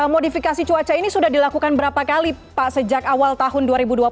modifikasi cuaca ini sudah dilakukan berapa kali pak sejak awal tahun dua ribu dua puluh